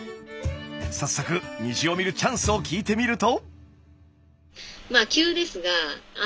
早速虹を見るチャンスを聞いてみると。